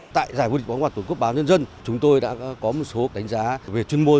tại giải vô địch bóng bàn toàn quốc báo nhân dân chúng tôi đã có một số đánh giá về chuyên môn